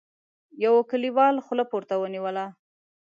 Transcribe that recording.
يوه کليوال خوله پورته ونيوله: